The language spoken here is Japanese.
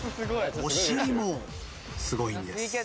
お尻もすごいんです